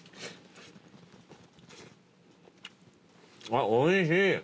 あっおいしい！